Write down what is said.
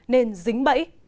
nên dính bẫy